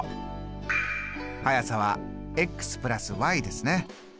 速さは＋ですね。